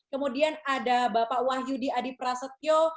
kemudian ada bapak wahyu di adi prasetyo